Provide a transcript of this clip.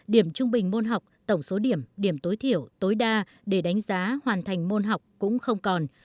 điểm trung bình môn học tổng số điểm điểm tối thiểu tối đa để đánh giá hoàn thành môn học cũng không còn